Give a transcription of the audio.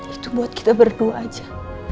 itu buat kita berdoa aja